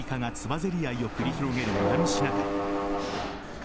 ぜり合いを繰り広げる南シナ海。